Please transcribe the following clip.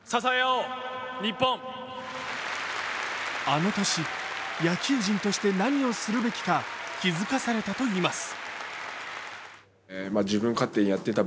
あの年、野球人として何をするべきか気づかされたといいます。